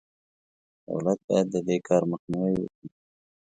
دولت باید د دې کار مخنیوی وکړي.